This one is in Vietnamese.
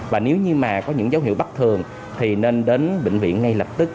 và nếu như mà có những dấu hiệu bất thường thì nên đến bệnh viện ngay lập tức